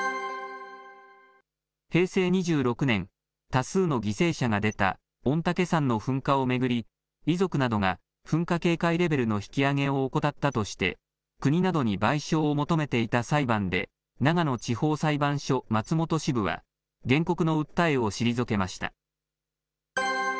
平成２６年、多数の犠牲者が出た御嶽山の噴火を巡り、遺族などが噴火警戒レベルの引き上げを怠ったとして、国などに賠償を求めていた裁判で、長野地方裁判所松本支部は、原告の訴えを退けました。